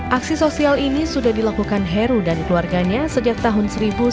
aksi sosial ini sudah dilakukan heru dan keluarganya sejak tahun seribu sembilan ratus sembilan puluh